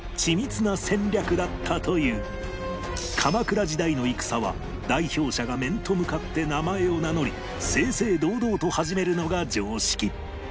全ては鎌倉時代の戦は代表者が面と向かって名前を名乗り正々堂々と始めるのが常識